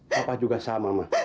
papa juga sama ma